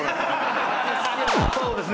そうですね